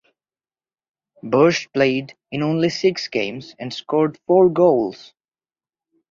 Bertsch played in only six games and scored four goals.